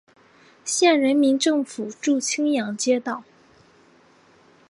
县人民政府驻青阳街道。